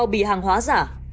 không phải đâu